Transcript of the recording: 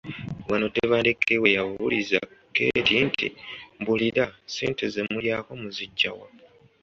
Wano Tebandeke we yabuuliza Keeti nti, “Mbuulira, ssente ze mulyako muziggya wa?''